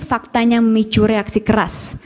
faktanya memicu reaksi keras